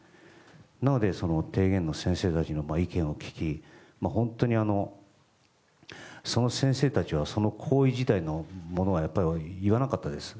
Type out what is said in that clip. なので、提言の先生たちの意見を聞き本当にその先生たちはその行為自体のものは言わなかったです。